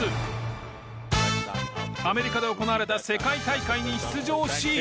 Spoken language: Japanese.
アメリカで行われた世界大会に出場し。